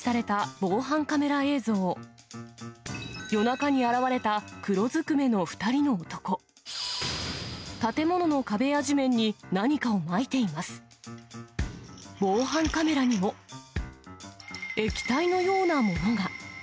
防犯カメラにも、液体のようなものが。